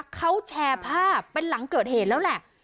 เขาแชร์ภาพเป็นหลังเกิดเหตุแล้วแหละ